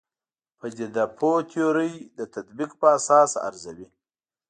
پدیده پوه تیورۍ د تطبیق په اساس ارزوي.